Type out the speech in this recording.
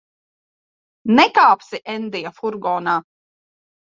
Nekāpsi Endija furgonā.